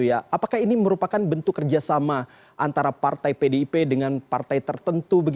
apakah ini merupakan bentuk kerjasama antara partai pdip dengan partai tertentu